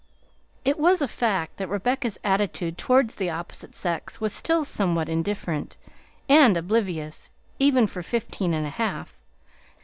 It was a fact that Rebecca's attitude towards the opposite sex was still somewhat indifferent and oblivious, even for fifteen and a half!